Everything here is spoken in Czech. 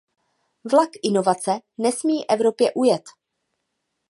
Vlak inovace nesmí Evropě ujet.